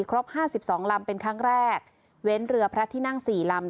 ครบ๕๒ลำเป็นครั้งแรกเว้นเรือพระที่นั่ง๔ลำ